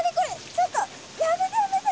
ちょっとやめてやめて！